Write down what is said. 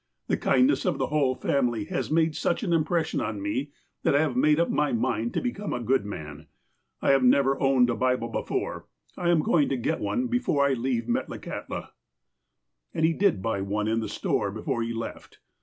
The kindness of the whole family has made such an impression on me that I have made up my mind to become a good man. I have never owned a Bible before. I am going to get one before I leave Metlakahtla." And he did buy one in the store, before he left.